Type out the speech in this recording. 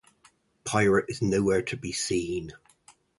Pirate is nowhere to be seen.